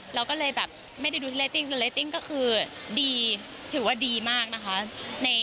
เราก็เลยแบบไม่ได้ดูเรตติ้งคือเรตติ้งก็คือดีถือว่าดีมากนะคะ